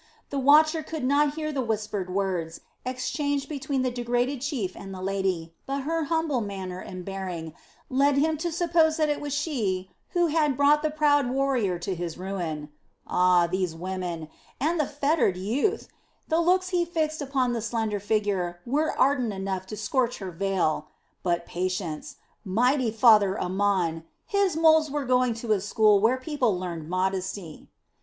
The watcher could not hear the whispered words exchanged between the degraded chief and the lady, but her humble manner and bearing led him to suppose that it was she who had brought the proud warrior to his ruin. Ah, these women! And the fettered youth! The looks he fixed upon the slender figure were ardent enough to scorch her veil. But patience! Mighty Father Amon! His moles were going to a school where people learned modesty!